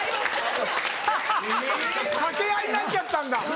掛け合いになっちゃったんだ。